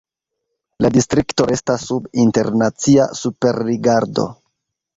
La distrikto restas sub internacia superrigardo.